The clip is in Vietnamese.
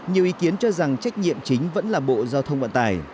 nhiều ý kiến cho rằng trách nhiệm chính vẫn là bộ giao thông vận tải